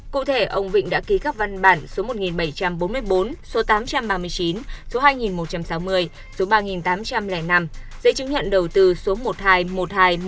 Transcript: cụ thể ông vịnh đã ký cấp văn bản số một nghìn bảy trăm bốn mươi bốn số tám trăm ba mươi chín số hai nghìn một trăm sáu mươi số ba nghìn tám trăm linh năm dây chứng nhận đầu tư số một hai một hai một không không không ba năm tám